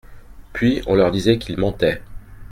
Puis, on leur disait qu'ils mentaient.